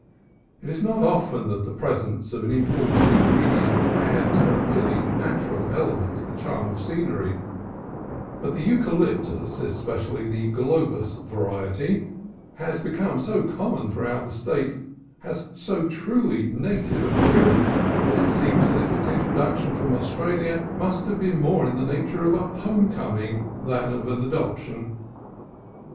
It is not often that the presence of an im ported ingredient adds a really natural element to the charm of scenery ; but the eucalyptus, especially the globulus variety that has become so common throughout the State, has so truly native an appear ance that it seems as if its introduction from Austra lia must have been more in the nature of a home coming than of an adoption.